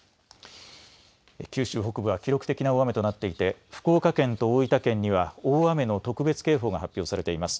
九州北部は記録的な大雨となっていて福岡県と大分県には大雨の特別警報が発表されています。